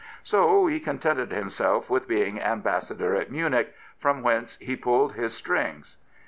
So he contented himself with being Ambassador at Munich, from whence he pulled his strings.